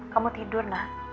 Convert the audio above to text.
kamu tidur nah